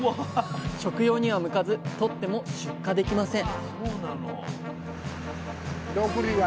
食用には向かずとっても出荷できません